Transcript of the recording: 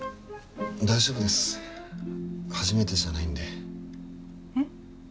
大丈夫です初めてじゃないんでえっ？